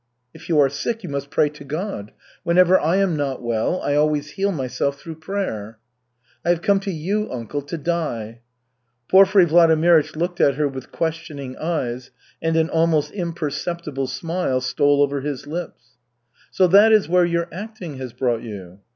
"If you are sick, you must pray to God! Whenever I am not well, I always heal myself through prayer." "I have come to you, uncle, to die." Porfiry Vladimirych looked at her with questioning eyes, and an almost imperceptible smile stole over his lips. "So that is where your acting has brought you?"